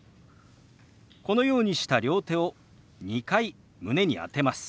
このようにした両手を２回胸に当てます。